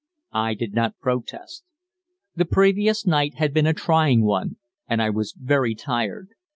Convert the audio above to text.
I did not protest. The previous night had been a trying one, and I was very tired.